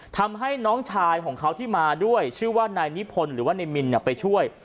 ทำให้น้องชายของเขาที่มาด้วยชื่อว่านายนิพนธ์หรือว่านายมินไปช่วย